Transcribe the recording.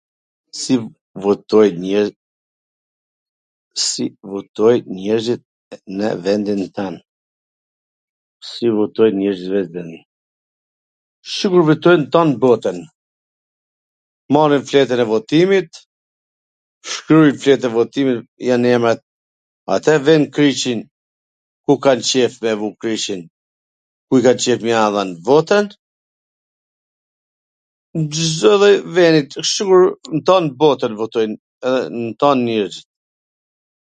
Si votojn njerzit nw vendin twnd? Sikur votojn nw tan botwn. Marrin fletwn e votimit, shkrujn fletwn e votimit, jan emrat, ata vejn kryqin ku kan kan qef me e vu kryqin, kujt kan qef me ia dhwn votwn ... n Cdo lloj veni sikur n tan botwn votojn tan njerzit.